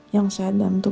yang sedang untuk